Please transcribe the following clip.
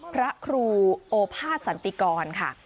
พระครูโอภาษสันติกรค่ะ